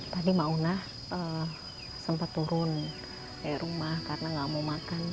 tadi mauna sempat turun dari rumah karena nggak mau makan